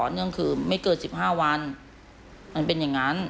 เนื่องคือไม่เกิน๑๕วันมันเป็นอย่างนั้น